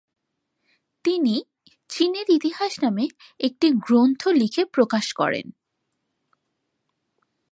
তিনি চীনের ইতিহাস নামে একটি গ্রন্থ লিখে প্রকাশ করেন।